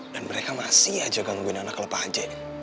dan mereka masih aja gangguin anak klub kj